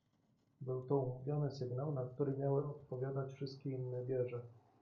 "Był to umówiony sygnał, na który miały odpowiadać wszystkie inne wieże."